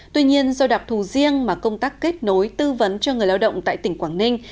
tuy nhiên do đặc thù riêng mà công tác kết nối tư vấn cho người lao động tại tỉnh quảng ninh